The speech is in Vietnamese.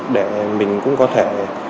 để mình cũng có thể